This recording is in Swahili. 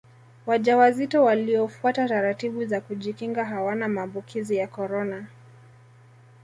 wajawazito waliyofuata taratibu za kujikinga hawana maambukizi ya korona